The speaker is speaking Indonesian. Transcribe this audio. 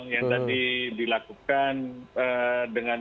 yang tadi dilakukan